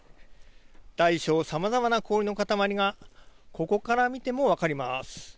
大小さまざまな氷の塊がここから見ても分かります。